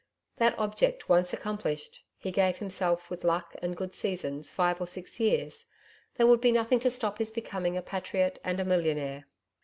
That object once accomplished he gave himself with luck and good seasons five or six years there would be nothing to stop his becoming a patriot and a millionaire.